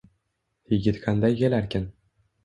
Yigit qanday kelarkin